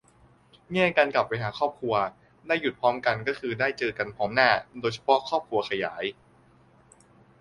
แง่การกลับไปหาครอบครัว ได้หยุดพร้อมกันก็คือได้เจอกันพร้อมหน้า โดยเฉพาะครอบครัวขยาย